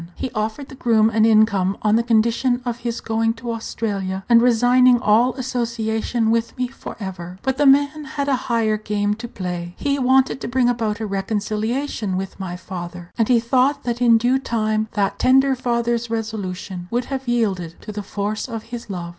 He offered the groom an income on the condition of his going to Australia, and resigning all association with me for ever. But the man had a higher game to play. He wanted to bring about a reconciliation with my father, and he thought that in due time that tender father's resolution would have yielded to the force of his love.